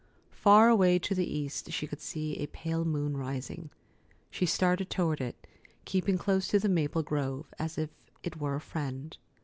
Far away to the east she could see a pale moon rising. She started toward it, keeping close to the maple grove, as if it were a friend.